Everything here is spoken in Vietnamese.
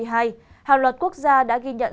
hạng loạt quốc gia đã ghi nhận